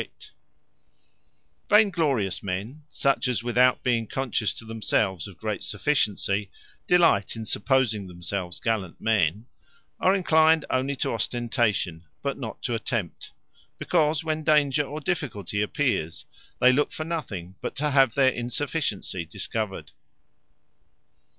Vain Undertaking From Vain glory Vain glorious men, such as without being conscious to themselves of great sufficiency, delight in supposing themselves gallant men, are enclined onely to ostentation; but not to attempt: Because when danger or difficulty appears, they look for nothing but to have their insufficiency discovered.